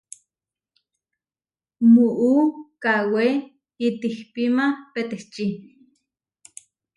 Muú kawé itihpíma peteči.